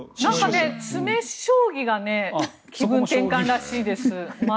詰将棋が気分転換らしいです。